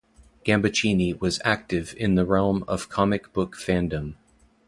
Gambaccini was active in the realm of comic book fandom.